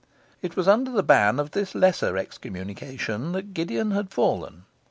It was under the ban of this lesser excommunication that Gideon had fallen.